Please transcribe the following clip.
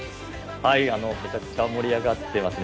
めちゃくちゃ盛り上がってますね。